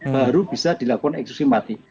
baru bisa dilakukan eksekusi mati